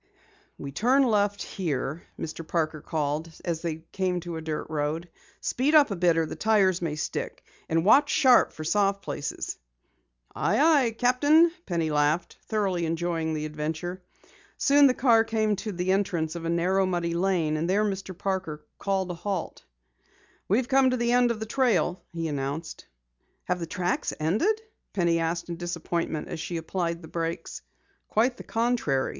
"We turn left here," Mr. Parker called as they came to a dirt road. "Speed up a bit or the tires may stick. And watch sharp for soft places." "Aye, aye, captain," Penny laughed, thoroughly enjoying the adventure. Soon the car came to the entrance of a narrow, muddy lane, and there Mr. Parker called a halt. "We've come to the end of the trail," he announced. "Have the tracks ended?" Penny asked in disappointment as she applied brakes. "Quite the contrary.